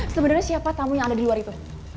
sebenarnya siapa tamu yang ada di luar itu